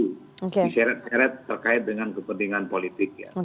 diseret seret terkait dengan kepentingan politik ya